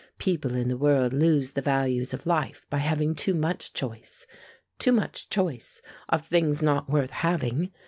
People in the world lose the values of life by having too much choice; too much choice of things not worth having.